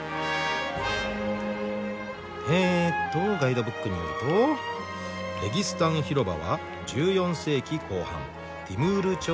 えっとガイドブックによるとレギスタン広場は１４世紀後半ティムール朝時代に造られた。